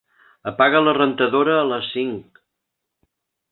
Apaga la rentadora a les cinc.